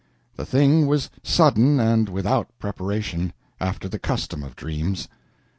The thing was sudden, and without preparation after the custom of dreams.